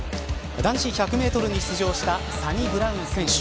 男子１００メートルに出場したサニブラウン選手。